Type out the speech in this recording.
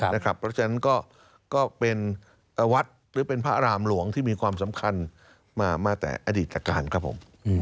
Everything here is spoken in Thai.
เพราะฉะนั้นก็เป็นวัดหรือเป็นพระอารามหลวงที่มีความสำคัญมาแต่อดีตการครับผม